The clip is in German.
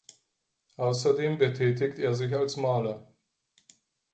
Außerdem betätigt er sich als Maler.